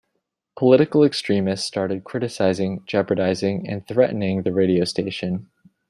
Political extremists started criticizing, jeopardizing and threatening the radio station.